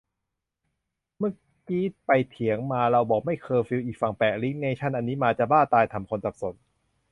เมื่อกี้ไปเถียงมา เราบอกไม่เคอร์ฟิว อีกฝั่งแปะลิงก์เนชั่นอันนี้มา จะบ้าตาย ทำคนสับสน